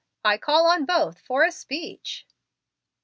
I call on both for a speech."